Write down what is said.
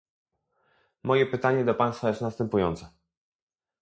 Moje pytanie do państwa jest następujące